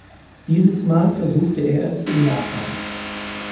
Dieses Mal versuchte er es in Japan.